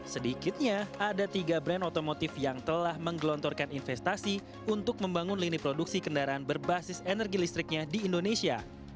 sedikitnya ada tiga brand otomotif yang telah menggelontorkan investasi untuk membangun lini produksi kendaraan berbasis energi listriknya di indonesia